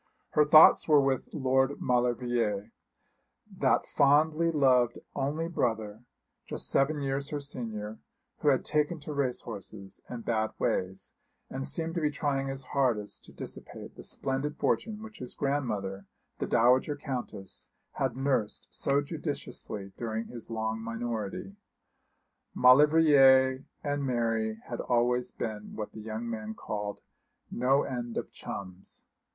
Her thoughts were with Lord Maulevrier, that fondly loved only brother, just seven years her senior, who had taken to race horses and bad ways, and seemed to be trying his hardest to dissipate the splendid fortune which his grandmother, the dowager Countess, had nursed so judiciously during his long minority. Maulevrier and Mary had always been what the young man called 'no end of chums.'